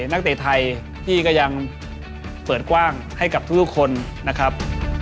นักเตะไทยที่ก็ยังเปิดกว้างให้กับทุกคนนะครับ